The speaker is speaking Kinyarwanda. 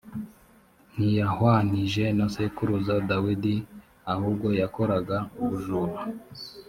ntiyahwanije na sekuruza dawidi ahubwo yakoraga ubujura.